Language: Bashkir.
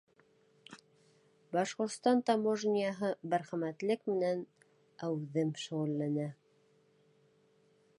Башҡортостан таможняһы мәрхәмәтлек менән әүҙем шөғөлләнә.